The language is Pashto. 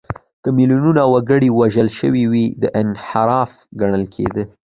که میلیونونه وګړي وژل شوي وي، دا انحراف ګڼل کېده.